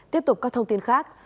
tiếp tục các thông tin khác